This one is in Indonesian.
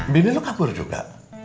bini lo kabur juga